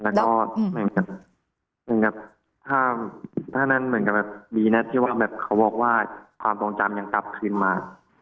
แล้วก็เหมือนกับถ้านั้นเหมือนกับแบบดีนะที่ว่าแบบเขาบอกว่าความทรงจำยังกลับคืนมา